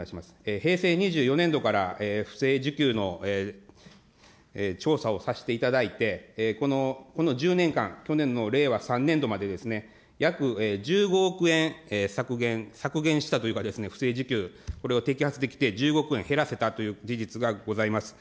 平成２４年度から不正受給の調査をさせていただいて、この１０年間、去年の令和３年度までですね、約１５億円、削減、削減したというか、不正受給、これを摘発できて、１５億円減らせたという事実がございます。